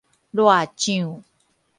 辣醬